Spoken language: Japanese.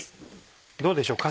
どうでしょう？